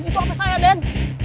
itu hape saya den